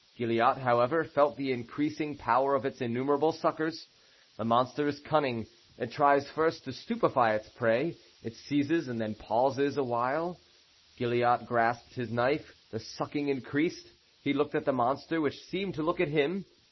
Gilliatt, however, felt the increasing power of its innumerable suckers. The monster is cunning; it tries first to stupefy its prey. It seizes and then pauses a while. Gilliatt grasped his knife; the sucking increased. He looked at the monster, which seemed to look at him.